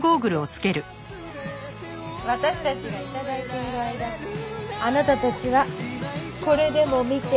私たちが頂いている間あなたたちはこれでも見てなさい。